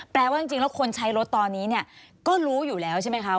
เป็นตัวถึงคนที่ใช้รถตอนนี้ก็รู้ซึ่งแล้วนะ